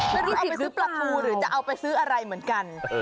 ไม่รู้เอาไปซื้อปลาทูหรือจะเอาไปซื้ออะไรเหมือนกัน